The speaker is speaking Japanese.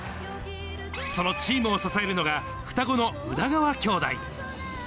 そのチームを支えるのが、双子の宇田川兄弟。